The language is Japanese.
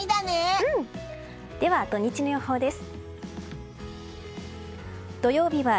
では、土日の予報です。